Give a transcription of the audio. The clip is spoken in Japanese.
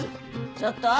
ちょっと！